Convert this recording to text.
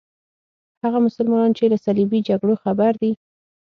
هغه مسلمانان چې له صلیبي جګړو خبر دي.